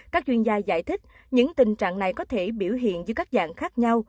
các chuyên gia giải thích những tình trạng này có thể biểu hiện dưới các dạng khác nhau